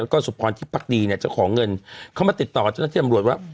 แล้วก็สุภรณ์ที่ปรักดีเนี้ยเจ้าของเงินเขามาติดต่อเจ้าหน้าที่อำรวจว่า